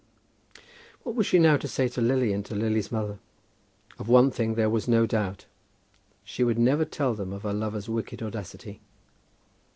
What was she now to say to Lily and to Lily's mother? Of one thing there was no doubt. She would never tell them of her lover's wicked audacity.